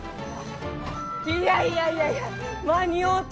いやいやいやいや間に合うた！